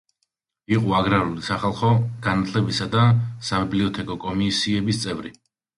იყო აგრარული, სახალხო განათლებისა და საბიბლიოთეკო კომისიების წევრი.